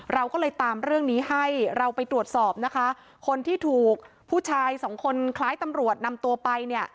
เราก็เลยตามเรื่องนี้ให้เราไปตรวจสอบนะคะคนที่ถูกผู้ชายสองคนคล้ายตำรวจนำตัวไปเนี่ย